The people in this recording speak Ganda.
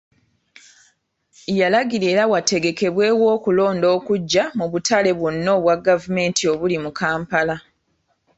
Yalagira era wategekebwewo okulonda okuggya mu butale bwonna obwa gavumenti obuli mu Kampala.